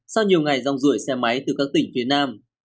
sau nhiều ngày rong rủi xe máy từ các tỉnh phía nam